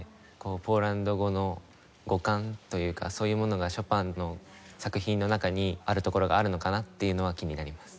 ポーランド語の語感というかそういうものがショパンの作品の中にあるところがあるのかなっていうのは気になります。